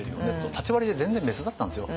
縦割りで全然別だったんですよ。